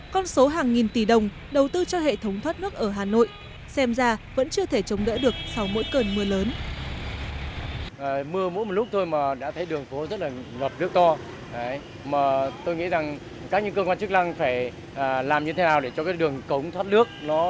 con số hàng nghìn tỷ đồng đầu tư cho hệ thống thoát nước ở hà nội xem ra vẫn chưa thể chống đỡ được sau mỗi cơn mưa lớn